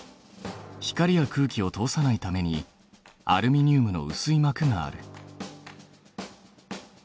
光や空気を通さないためにアルミニウムのうすいまくがある。